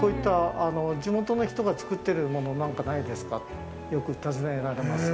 地元の人が作ってるもの何かないですかってよく尋ねられます。